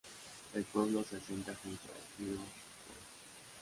El pueblo se asienta junto al río Tuerto.